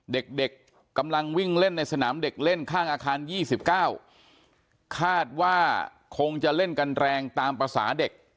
เด็กกำลังวิ่งเล่นในสนามเด็กเล่นข้างอาคาร๒๙คาดว่าคงจะเล่นกันแรงตามภาษาเด็ก